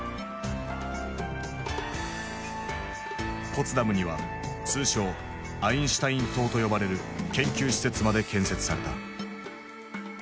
ポツダムには通称「アインシュタイン塔」と呼ばれる研究施設まで建設された。